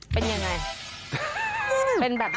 เป็นยังไง